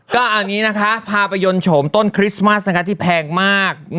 ก็เอานี้นะคะพาไปยนต์โฉมต้นคริสต์มัสที่แพงมาก